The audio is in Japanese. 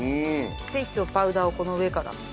でいつもパウダーをこの上から。